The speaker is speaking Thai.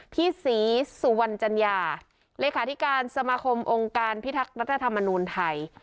พี่ศรีสุวรรณจัญญาเลขาธิการสมาคมองค์การพิทักษ์รัฐธรรมนูลไทย